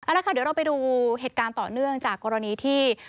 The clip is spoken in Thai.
แล้วค่ะเดี๋ยวเราไปดูเหตุการณ์ต่อเนื่องจากกรณีที่